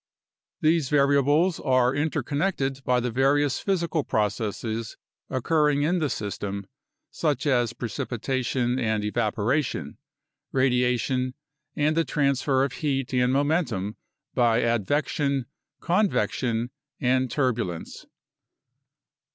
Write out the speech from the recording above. These variables are interconnected by the various physical processes occurring in the system, such as precipitation and evaporation, radiation, and the transfer of heat and momentum by advection, con vection, and turbulence.